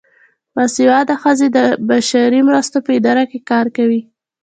باسواده ښځې د بشري مرستو په ادارو کې کار کوي.